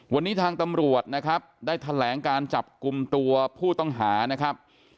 วันนี้ทางตำรวจนะครับได้แถลงการจับกลุ่มตัวผู้ต้องหานะครับ